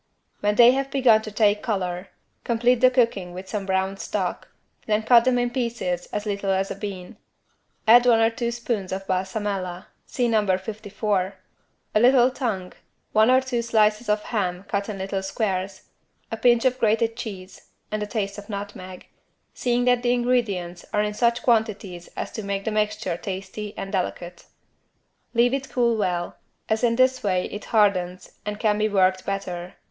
When they have begun to take color, complete the cooking with some brown stock, then cut them in pieces as little as a bean. Add one or two spoons of =Balsamella= (see No. 54) a little tongue, one or two slices of ham cut in little squares, a pinch of grated cheese and a taste of nutmeg, seeing that the ingredients are in such quantities as to make the mixture tasty and delicate. Leave it cool well, as in this way it hardens and can be worked better.